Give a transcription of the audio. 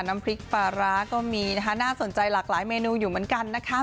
น้ำพริกปลาร้าก็มีนะคะน่าสนใจหลากหลายเมนูอยู่เหมือนกันนะคะ